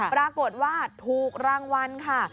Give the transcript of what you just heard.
ปรากฏว่าถูกรางวัลค่ะ